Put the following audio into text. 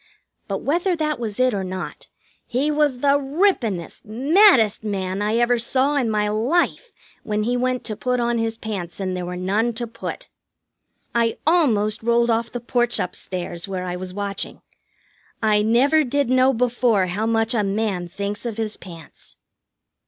But whether that was it or not, he was the rippenest, maddest man I ever saw in my life when he went to put on his pants and there were none to put. I almost rolled off the porch up stairs, where I was watching. I never did know before how much a man thinks of his pants.